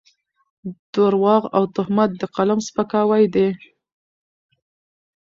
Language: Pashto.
درواغ او تهمت د قلم سپکاوی دی.